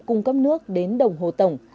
cung cấp nước đến đồng hồ tổng